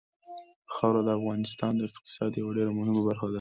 خاوره د افغانستان د اقتصاد یوه ډېره مهمه برخه ده.